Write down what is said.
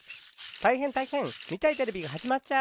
たいへんたいへん！みたいテレビがはじまっちゃう！